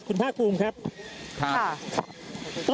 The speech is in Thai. คุณภาคภูริพัฒน์ครับครับ